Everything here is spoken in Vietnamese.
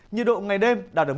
nhiệt độ ngày đêm và sáng